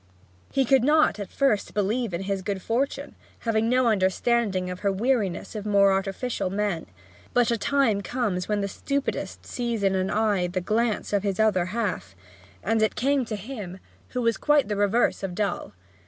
He could not at first believe in his good fortune, having no understanding of her weariness of more artificial men; but a time comes when the stupidest sees in an eye the glance of his other half; and it came to him, who was quite the reverse of dull.